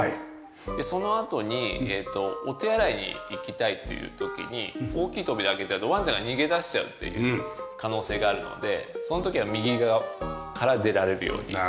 そのあとにお手洗いに行きたいっていう時に大きい扉開けちゃうとワンちゃんが逃げ出しちゃうっていう可能性があるのでその時は右側から出られるようになっております。